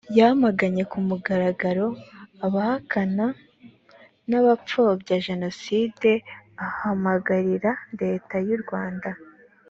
yamaganye kumugaragaro abahakana n abapfobya jenoside ahamagarira leta y urwanda